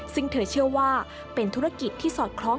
ซึ่งเธอเชื่อว่าเป็นธุรกิจที่สอดคล้อง